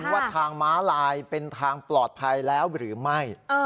ว่าทางม้าลายเป็นทางปลอดภัยแล้วหรือไม่